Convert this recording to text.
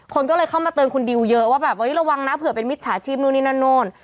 คนก็เลยเข้ามาเตือนคุณดิวเยอะว่าแบบระวังนะเผื่อเป็นมิจฉาชีพนู่นนี่นั่นนู่น